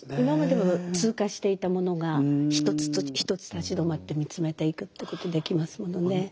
今まで通過していたものが一つ一つ立ち止まって見つめていくってことできますものね。